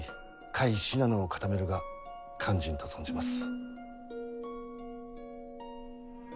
甲斐信濃を固めるが肝心と存じます。